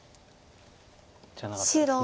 じゃなかったですね。